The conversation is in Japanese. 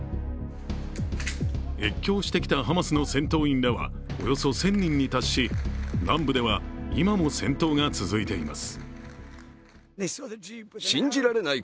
越境してきたハマスの戦闘員らはおよそ１０００人に達し、南部では今も戦闘が続いています。